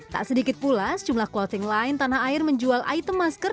tak sedikit pula sejumlah clothing line tanah air menjual item masker